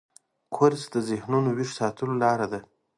کورس د ذهنو ویښ ساتلو لاره ده.